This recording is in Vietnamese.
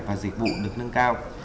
và dịch vụ được nâng cao